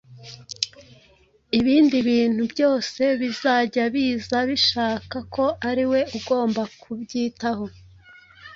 ibindi bintu byose bizajya biza bishaka ko ari we ugomba kubyitaho –